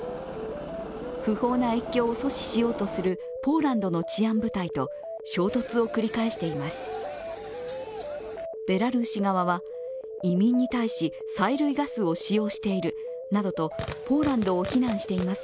不法な越境を阻止しようとするポーランドの治安部隊と衝突を繰り返しています。